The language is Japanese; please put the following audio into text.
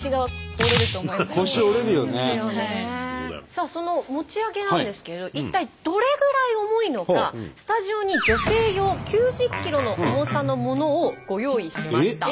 さあその餅上げなんですけれどスタジオに女性用９０ｋｇの重さのものをご用意しました。